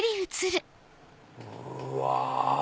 うわ！